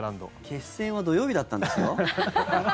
決戦は土曜日だったんですよ？